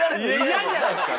イヤじゃないですか！